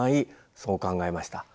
そう考えました。